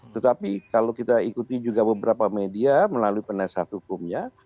tetapi kalau kita ikuti juga beberapa media melalui penasihat hukumnya